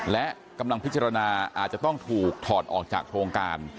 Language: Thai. และกำลังพิจารณาอาจจะต้องถูกถอดออกจากโครงการ